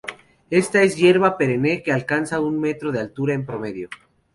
Esta es una hierba perenne que alcanza un metro de altura en promedio.